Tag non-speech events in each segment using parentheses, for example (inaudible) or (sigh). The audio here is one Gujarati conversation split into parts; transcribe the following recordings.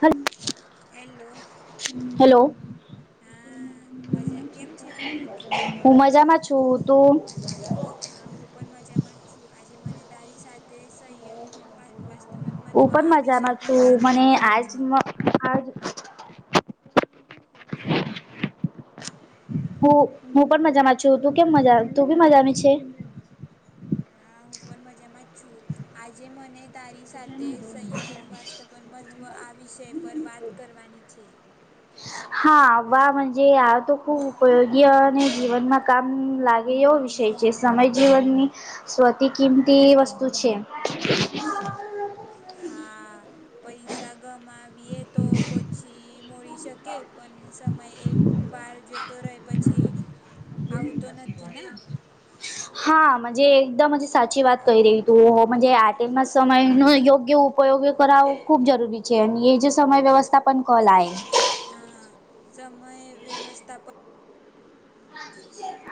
હાલ હેલો, હા મજા કેમ છે તું? હું મજામાં છું તું? હા, હું પણ મજામાં જ છું આજે મને તારી સાથે સંયમ વા વા પણ મહત્વ હું પણ આ વિષય મજામાં પર છું વાત મને કરવાની આજ છે. આજ હું હું પણ મજામાં છું તું કેમ મજા તું બી મજામાં છે? હા, હું પણ મજામાં છું આજે મને તારી સાથે સંયમ વા ત પણ મત્વ આ વિષય પર વાત કરવાની છે. હા, (unintelligible) આતો ખુબ ઉપયોગી અને જીવનમાં કામ લા એઓ વિષય જે સમય જીવનની સ્વતી કિંમતી વસ્તુ છે. (inaudible) હા. પૈસા ગમાવીએ તો પછી મોળી શકે પણ સમય એક એક વાર જતો રેય પછી આવતો નથી ના. હા, મજે એકદમ સાચી વાત કયરી. તો મજે આ ટેમનો સમયનો યોગ્ય ઉપયોગ કરાવવો ખૂબ જરૂરી છે અને એ જે સમય વ્યવસ્થા પણ કોલ આઈન હા હા. સમય વ્યવસ્થા પ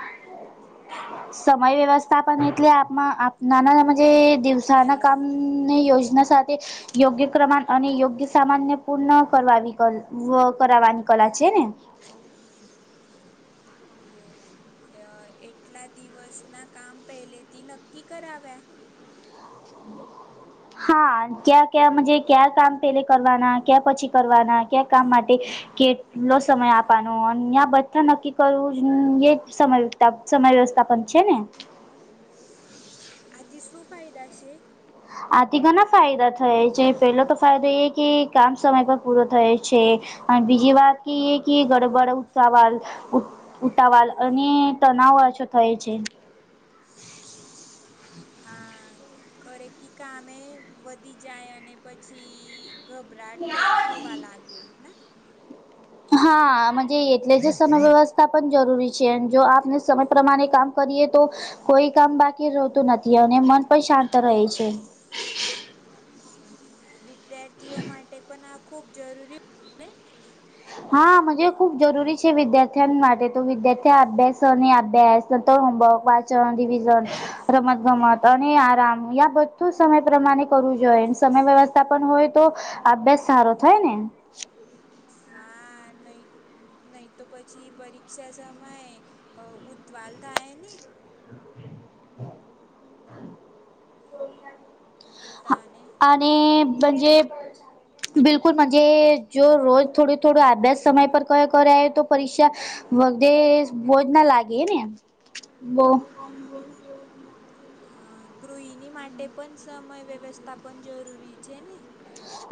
(inaudible) સમય વ્યવસ્થા પણ એટલે આમાં આપ નાના જે દિવસાના હેલો કામ ની યોજના સાથે યોગ્ય ક્રમાન અને યોગ્ય સામાનને પૂર્ણ કરવા કરવાવની કલા છે ને. યુ - ય એટલા દિવસના કામ પહેલેથી નક્કી કરાવ્યા. હા, ક્યાં ક્યાં મજે કયાં કામ પેલે કરવાના ક્યાં પછી કરવાના ક્યાં કામ માટે કેટલો સમય આપાનો અન્યા બધાં નક્કી કરવું યેજ સમય તપ સમય વ્યવસ્થા પણ છે ને. આથી શું ફાયદા છે? આથી ઘણા ફાયદા થાય છે જે પેલો તો ફાયદો એ કે કામ સમય પર પૂરો થાય. છે અને બીજી વાત કી એ ગડબડ ઉત્સાવા ઉતાવાલ અને તનાવ ઓછો થાય છે. હા કરે કી કામે વધી જાય અને પછી ગભરાટ થ થવા લાગે ના. હા, મજે એટલે જે સમય વ્યવસ્થા પણ જરૂરી છે જો આપણે સમય પ્રમાણે કામ કરીએ તો કોઈ કામ બાકી રેતું નથી અને મન પણ શાંત રહે છે. વિદ્યાર્થીઓ માટે પણ આ ખૂબ જરૂરી હા, મજે ખુબ જરૂરી છે વિદ્યાર્થી ઓને માટે તો વિદ્યાર્થી અભ્યાસોની અભ્યાસ સત હોમવર્ક, વાચન, નહીતર રિવિઝન, પરીક્ષા રમત ગમત. અને આરામ યા બધું સમય પ્રમાણે કરવું જોઈએ સમય વ્યવસ્થા પણ હોય તો અભ્યાસ સારો થાય ને. હા, નઈ. નઈ તો પછી પરીક્ષા સમયે અ ઉતવાલ થાય ને (inaudible) પોતાને. અને બજે બિલકુલ મજે જો રોજ થોડો થોડો આભ્યાસ સમય પર કયો કરાયો તો પરીક્ષા વગે ભોજ ના લાગે ને બો હ ગૃહિણી માટે પન સમય વ્યવસ્થા પણ જરૂરી છે, ને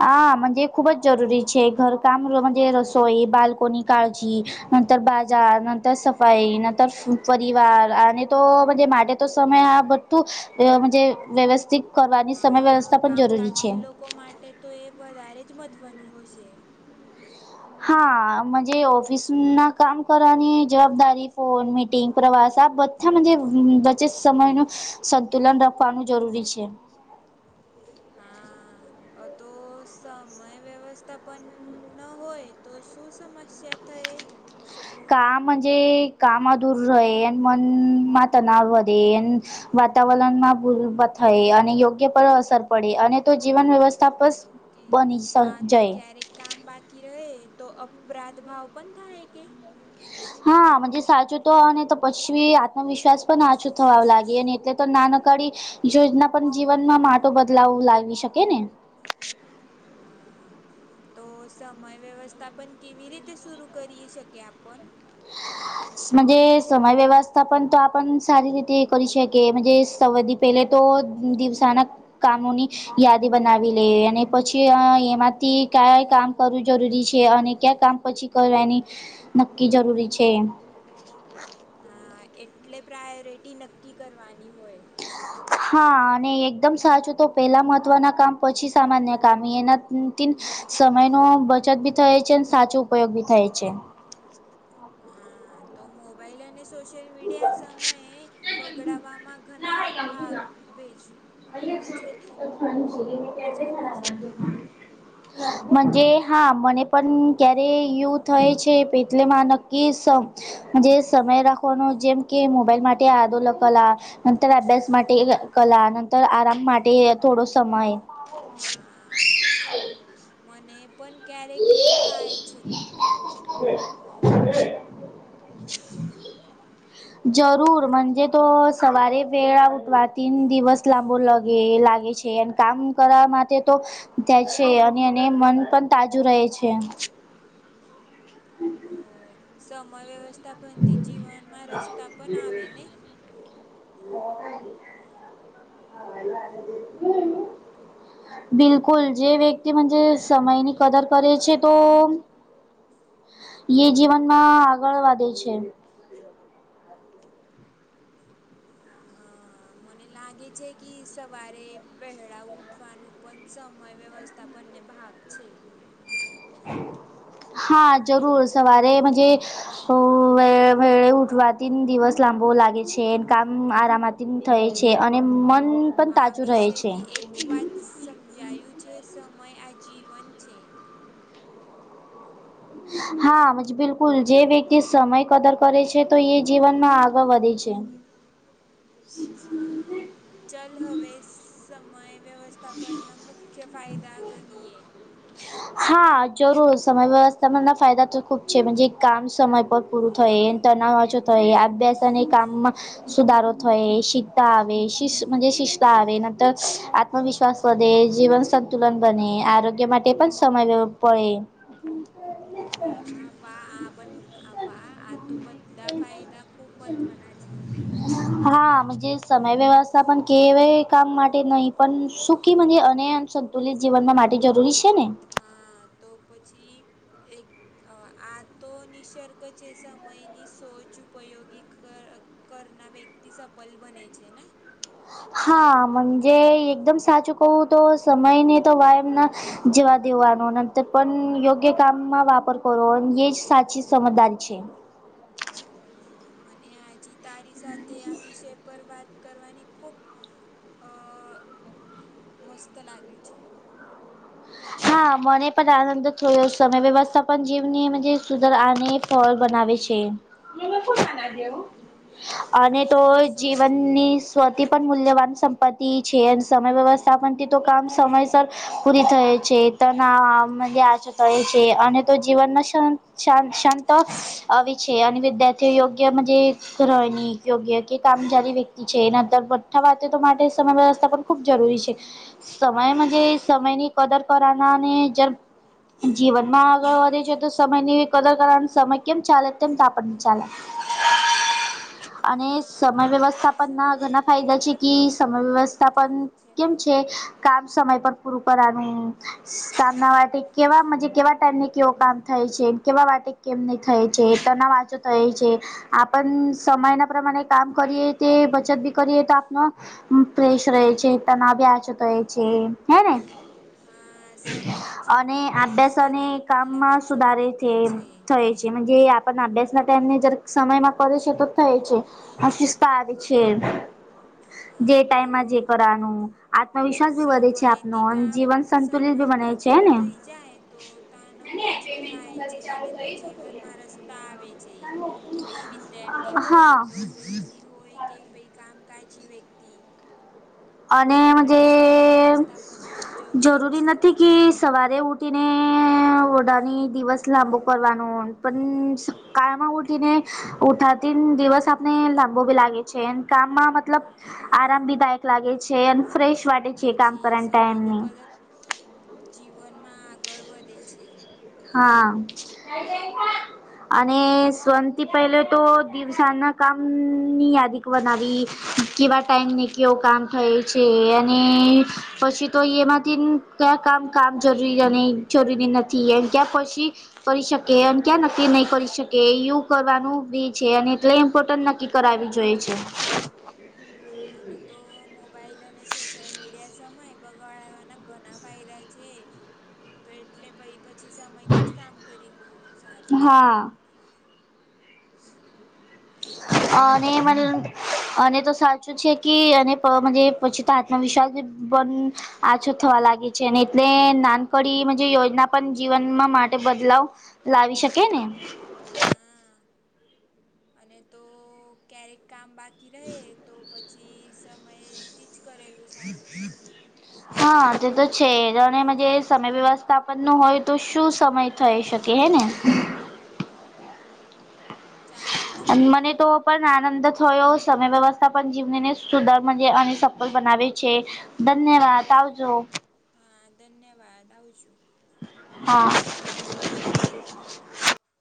હા મજે ખૂબ જ જરૂરી છે, ઘરકામ (unintelligible) રસોઈ બાલ્કોની કાળજી નંતર બાજાર નંતર સફાઈ નંતર પરિવાર અને તો મજ માડે તો સમય આ બધું મજે વ્યવસ્થિત કરવાની સમય હા વ્યવસ્થા પણ કામકાજ જરૂરી છે. જે લોકો માટે તો એ વધારે જ મહત્ત્વનું હશે હા મજ ઓફિસના કામ કરાની જવાબદારી ફોન મીટિંગ પ્રવાસ આ બ (unintelligible) વચેત સમયનુ સંતુલન રાખવાનું જરૂરી છે. હા. અતો સમય વ્યવસ્થા પન ન હોય તો શું સમસ્યા થય શકો મજે કામ અધુરુ રય અન મન માંત ના વધે વાતાવરણમાં ભૂલ થાય અને યોગ્ય પર અસર પડે અને તો જીવન વ્યવ એવું કે હા તો ક્યારેક કામ બાકી રહે તો અપરાધ ભાવ પણ થાય કે? હ મજે સાચું તો ને તો પછી આત્મવિશ્વાસ પણ આછું થવા લાગે ને એટલે તો નાનકાડી યોજના પણ જીવનમાં માટો બદલાવ લાવી શકે ને હા. તો સમય વ્યવસ્થા પણ કેવી રીતે સુરુ કરી શકી આપન મજ સમય વ્યવસ્થા પન તો આપન સારી રીતે કરી શકીએ મજે સાવદી પેલે તો દિવસાના કામોની યાદી બનાવી લે અને પછી એમાંથી કાય કામ કરવું જરૂરી છે, અને ક્યાં કામ પછી કરવાની નક્કી જરૂરી છે. હા એટલે પ્રાયોરિટી નક્કી કરવાની હોય. હા અને એકદમ સાચું તો પહેલાં મહત્ત્વના કામ પછી સામાન્ય કામ એના (unintelligible) સમય ન બચત બી થાય છે, ને સાચો ઉપયોગ બી થાય છે. હા. તો મોબાઈલ અને સો સોશિયલ મીડિયા સમયે બગડવામાં ઘણા ભાગ ભેજ વે છેે, ને ભજાવે છે (unintelligible) મજ હા મને પન ક્યારે યુ થાય છે, (unintelligible) એટલેમાં નક્કી સ જે સમય રા કોનો જેમ કે મોબાઈલ માટે આદોલકલા નંતર અભ્યાસ માટે કલા નંતર આરામ માટે થોડો સમય (inaudible) હા મને પણ ક્યારેક યું થાય છે. જરૂર મજે તો સવારે વેળા ઉઠવા તીન દિવસ લાંબો લગે લાગે છે. કામ કરવા માટે તો જ છે અને એને મન પણ તાજુ રહે છે. ઓ સમય વ્યવસ્થા બનતી જીવનમાં રસ્તા પણ આવે ને. હમ્મ. બિલકુલ જે વ્યક્તિ મઁજે સમય ની કદર કરે છે તો. એ જીવનમાં આગળ વધે છે. હા. મને લાગે છે કે સવારે વહેળા ઉઠવાનું પણ સમય વ્યવસ તા પને ભાગ છે. હા જરૂર સવારે મઁજે. અ વ વેળ ઉઠવાથી દિવસ લાંબો લાગે છે કામ આરામત જીમ થય છે અને મન પણ આ તાજું રહે છે વિષયથી એક વાત સમજાયું છે સમય આજીવન છે. હા મઁજે બિલકુલ જે વ્યક્તિ સમય કદર કરે છે તો એ જીવનમાં આગળ વધે છે. હા ચલ હવે સમય વ્યવસ્થાપનના મુખ્ય ફાયદા ગનીયે. હા જરૂર સમય વ્યવસ્થાપનના ફાયદા તો ખૂબ છે મંજે કામ સમય પર પૂરું થઈ તનાવ ઓછો થઈ અભ્યાસ અની કામમાં સુધારો થયે, શીતા આવે શીશ મઁજે શિસ્તા આવે નંતર- આત્મવિશ્વાસ વધે, જીવન સંતુલન બને આરોગ્ય માટે એ પણ સમય લેવો પડે. હા વા આ બન વા આ તો બધા ફાયદા ખુબ મહત્વના છે. હા મઁજે સમય વ્યવસ્થા પણ કેવાય કામ માટે નહી પણ સુખી મની અને સંતુલિત જીવનના માટી જરૂરી છે ને. હા તો પછી એક અ આ તો નિસર્ગ છે સમમયની સોચ ઉપ ઉપયોગી કર કરના વ્યક્તિ સફલ બને છે ને. હા મઁજે એકદમ સાચું કહું તો સમય ને તો વયામના જેવા દેવાનું નંતર પણ યોગ્ય કામમાં વાપર કરો એ જ સાચી સમજદારી છે. હમ્મ મને આજી તારી સાથે આ વિષય પર વાત કરવાની ખુબ અ મસ્ત લાગે છે. (inaudible) હા મને પણ આનંદ થયો સમય વ્યવસ્થા પણ જીવને મઁજે સુધર અને ફળ બનાવે છે. અને તો જીવનની સ્વતી પણ મૂલ્યવાન સંપત્તિ છે અને સમય વ્યવસ્થા પણનથી તો કામ સમયસર પૂરી થય. છે. તનાવ મઁજે આજે થય છે અને તો જીવનમાં શાંત શાંત શાંત. આવી છે અને વિદ્યાર્થીઓ યોગ્ય મઁજે. ઇસરોની યોગ્ય કે કામ જારી વ્યક્તિ છે એ નંતર બઠ્ઠા વાતે તો માટે સમય વ્યવસ્થા પણ ખૂબ જરૂરી છે સમય અને મઁજે તો સમયની કદર કરવાનાને અને જ જીવન માં આગળ વધી જઇયે તો સમય ની કદરકારા સમય કેમ ચાલે તેમ તાપડ ની ચાલે. (inaudible) અને હા સમય પોતાને બી વ્યવસ્થાપનના સમય ઘણાં સમય ફાયદા પર છે કી અભ્યાસ સમય કરવાનું બી વ્યવસ્થાપન મહત્વનું જ ને કેમ છે. કામ સમય પર પુરુ કરાનુ. સામના માટે કેવા મઁજે કેવા ટાઈમને કેવો કામ થાય છે કેવા માટે કેમ નહીં થાય છે તના વાંચો થય છે. આપણ સમાયના પ્રમાણે કામ કરીએ તે બચત બી કરીએ તો આપનો મૂડ ફ્રેશ રેય છે તનાવ આજે (unintelligible) હે ને હા સમય અને જીવનની અભ્યાસ અને સાતવી કામમાં મૂલ્યવાન સુધારે છે સંપત્તિ થય. જેમ કે આપને અભ્યાસ ના ટાઈમ ને જ સમયમાં કરે છે તો થાય છે. (unintelligible) હા તો ઉલટાનું આતો ઇ સમયથી કામ સમય બી બને પર છે પૂરું ને થઈ જાય તો તાણવ ઓછો થાય છે અને તો જીવનમાં રસ તા આવે છે પઈ વિદ્યાર્થી હોય હા તો ગૃહિણી જુએ કે ભઈ કામકાજ વ્યક્તિ અને બધા મુજે માટે સમય વ્યવસ્થાપન ખૂબ જ જરૂરી છે નથી કે નહી સવારે ઉઠીને (unintelligible) દિવસ એટ લાબું કરવાનો પન કાળમાં ઉઠીને. ઉઠાતીન દિવસ આપને લંબો બી લાગે. છે એમ કામમાં મતલબ હા આરામ ભી દાયક લાગે છે અને ફ્રેશ વાટે જે કામ પછી કરવાન ટાઈમ સમયની નહિ. કદર જીવનમાં આગળ વધે છે. હા અને સૌથી પહેલે તો દિવસના કામની યાદી બનાવી કેવા ટાઈમ ને કેવું કામ થાય છે, અને પછી તો એમાંથી કયા કામ કામ જરૂરી (unintelligible) જરૂરી નથી એમ ક્યાં પછી કરી શકે અને ક્યાં નક્કી નહી કરી શકે એવુ કરવાનું બી છે અને એટલે ઇમ્પોર્ટન્ટ નક્કી કરાવી જોઈએ છે. અને તો મોબાઈલ અને સોશિયલ મીડિયા સમયે બગાડવાના ઘણા (unintelligible) છે. (inaudible) તો એટલે પ પછી સમયથી જ કામ કરેલું સારું છે. હા હમ્મ હવે તો અને મને અને તો સાચું છે કે અને પ પછી પછી આત્મવિશ્વાસથી પણ આછું થવા લાગે છે એટલે નાનકડી જે યોજના પણ જીવનમાં માટે બદલાવ લાવી શકે ને. હ, અને તો ક્યારેક કામ બાકી રહે તો પછ છી સમયથી જ કરેલું સારું છે. હા, આજે તો છે જો ને મજે સમય વ્યવસ્થા (unintelligible) હોય તો શું સમય થઈ શકે હે ને. હા ચાલ અન પછી મને તો પણ આનંદ થયો સમય વ્યવસ્થા પણ જીવનને સુદર અને સફળ બનાવે છે. ધન્યવાદ આવજો. હા, ધન્યવાદ આવજો. (unintelligible)